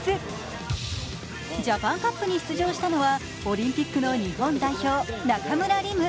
ジャパンカップに出場したのはオリンピックの日本代表中村輪夢。